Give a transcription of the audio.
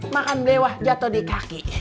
makan mewah jatuh di kaki